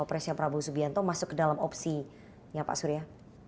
apakah presiden prabowo subianto masuk ke dalam opsi ya pak surya